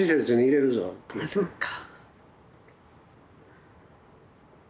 ああそっか。